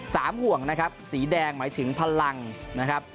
ห่วงนะครับสีแดงหมายถึงพลังนะครับ